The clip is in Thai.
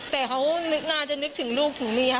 แต่เขานึกหน้าจะนึกถึงลูกถึงเนี่ย